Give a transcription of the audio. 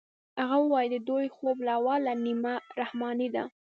هغه وويل چې د دې خوب اوله نيمه رحماني ده.